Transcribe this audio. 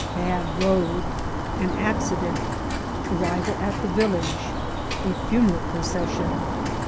— Bad Road.— An Accident.— Arrival at the Village. — A Funeral Procession.